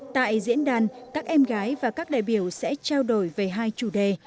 tại diễn đàn các em gái và các đại biểu sẽ trao đổi về hai chủ đề